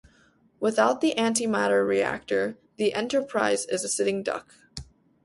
Without the antimatter reactor, the "Enterprise" is a sitting duck.